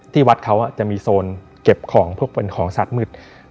ที่วัดเขาจะมีโซนเก็บของพวกเป็นของสัตว์มืด